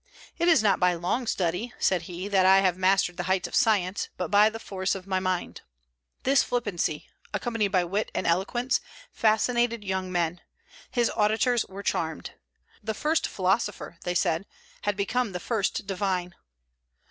"It is not by long study," said he, "that I have mastered the heights of science, but by the force of my mind." This flippancy, accompanied by wit and eloquence, fascinated young men. His auditors were charmed. "The first philosopher," they said, "had become the first divine."